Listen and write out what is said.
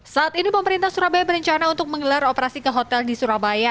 saat ini pemerintah surabaya berencana untuk mengelar operasi ke hotel di surabaya